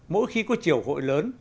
mỗi khi có chiều hội lớn